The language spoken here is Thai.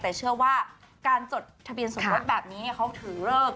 แต่เชื่อว่าการจดทะเบียนสมรสแบบนี้เขาถือเลิก